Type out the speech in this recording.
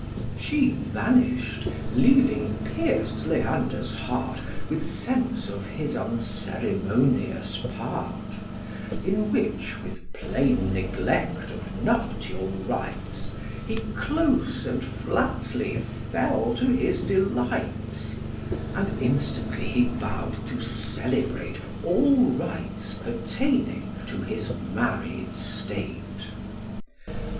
She vanish'd, leaving pierc'd Leander's heart With sense of his unceremonious part, In which, with plain neglect of nuptial rites, He close and flatly fell to his delights: And instantly he vow'd to celebrate All rites pertaining to his married state.